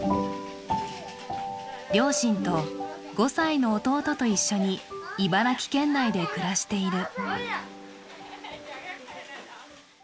両親と５歳の弟と一緒に茨城県内で暮らしている。